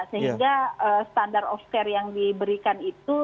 sehingga standar of care yang diberikan itu